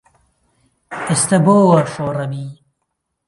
ئێستە بۆ وا شۆڕەبی